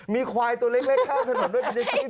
มีควายตัวเล็กข้ามถนนด้วยมันจะคิดให้พี่ดูใช่ไหม